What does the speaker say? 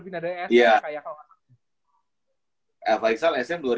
pindah dari sm ya kak ya kalau gak salah